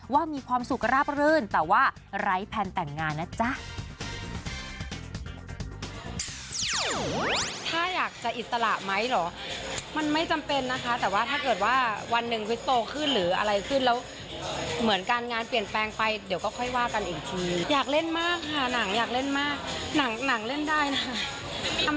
มีความสุขราบรื่นแต่ว่าไร้แพลนแต่งงานนะจ๊ะ